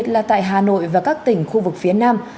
là tại hà nội và các tỉnh khu vực phía nam